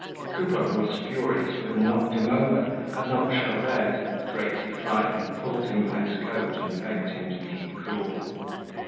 Coupeau, who was furious, would have knocked him over had not Gervaise, greatly frightened, pulled him by his coat, and begged him to keep cool.